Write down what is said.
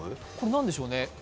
何でしょうね。